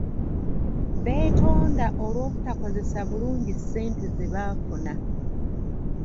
Beetonda olw'obutakozesa bulungi ssente ze baafuna.